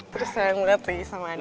terus sayang banget sih sama ani